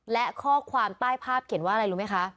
และข้อความใต้ภาพเขียนว่าอะไรรู้ไหมคะ